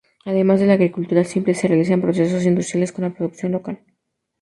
Además de la agricultura simple, se realizan procesos industriales con la producción local.